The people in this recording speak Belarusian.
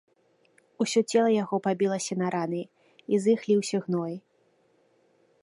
Усё цела яго пабілася на раны, і з іх ліўся гной.